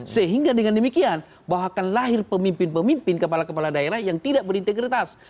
sehingga dengan demikian bahwa akan lahir pemimpin pemimpin kepala kepala daerah yang tidak berintegritas